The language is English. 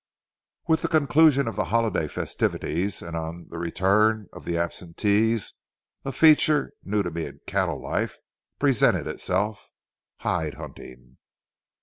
With the conclusion of the holiday festivities and on the return of the absentees, a feature, new to me in cattle life, presented itself—hide hunting.